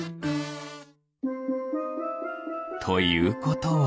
ということは。